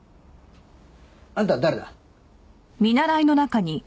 あんた誰だ？